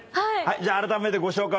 じゃああらためてご紹介